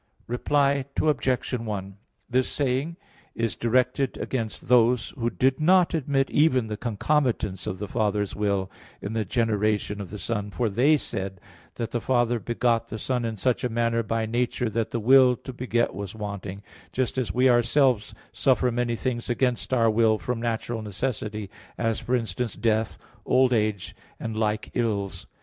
Reply Obj. 1: This saying is directed against those who did not admit even the concomitance of the Father's will in the generation of the Son, for they said that the Father begot the Son in such a manner by nature that the will to beget was wanting; just as we ourselves suffer many things against our will from natural necessity as, for instance, death, old age, and like ills.